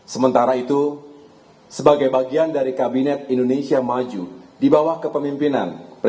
sementara itu sebagai bagian dari kabinet indonesia maju di bawah kepemimpinan presiden